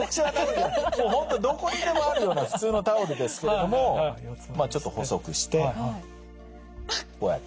もう本当どこにでもあるような普通のタオルですけれどもまあちょっと細くしてこうやって。